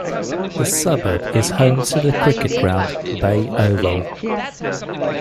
The suburb is home to the cricket ground Bay Oval.